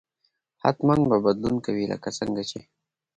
حتما به بدلون کوي لکه څنګه چې